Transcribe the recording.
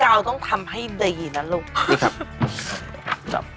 เราต้องทำให้ดีนะลูก